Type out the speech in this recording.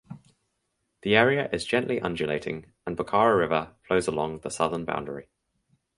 The area is gently undulating and Bokaro River flows along the southern boundary.